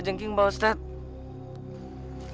kenapa kamu bebas contoh baju suhaib ini